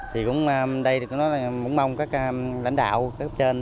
thì cũng đây cũng mong các lãnh đạo các cấp trên